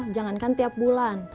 jangankan tiap bulan